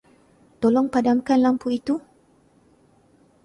Tolong padamkan lampu itu.